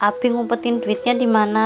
api ngumpetin duitnya dimana